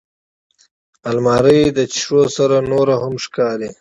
الماري د شیشو سره نورهم ښکاري